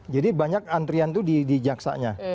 jadi banyak antrian itu di jaksanya